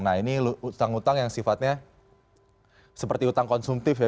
nah ini hutang hutang yang sifatnya seperti hutang konsumtif ya